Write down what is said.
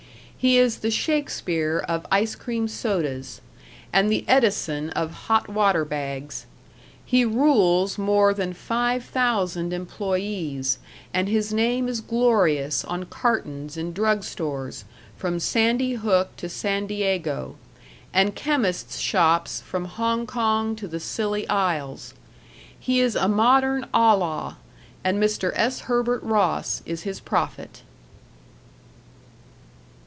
He is the Shakespeare of ice cream sodas, and the Edison of hot water bags. He rules more than five thousand employees, and his name is glorious on cartons in drug stores, from Sandy Hook to San Diego, and chemists' shops from Hong Kong to the Scilly Isles. He is a modern Allah, and Mr. S. Herbert Ross is his prophet.